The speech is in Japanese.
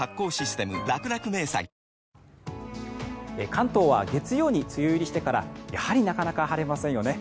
関東は月曜に梅雨入りしてからやはりなかなか晴れませんよね。